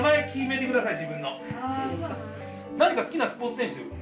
何か好きなスポーツ選手